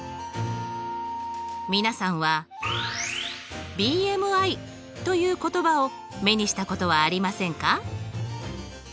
皆さんはＢＭＩという言葉を目にしたことはありませんか？